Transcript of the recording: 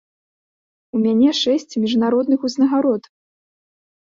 У мяне шэсць міжнародных узнагарод.